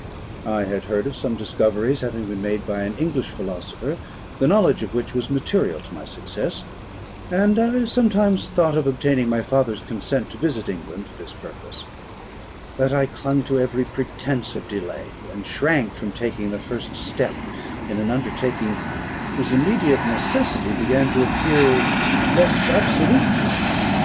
I had heard of some discoveries having been made by an English philosopher, the knowledge of which was material to my success, and I sometimes thought of obtaining my father's consent to visit England for this purpose; but I clung to every pretence of delay, and shrunk from taking the first step in an undertaking whose immediate necessity began to appear less absolute to me.